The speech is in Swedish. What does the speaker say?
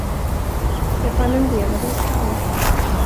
Jag fann en del av en tand.